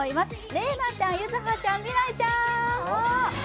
麗菜ちゃん、柚葉ちゃん、未来ちゃん。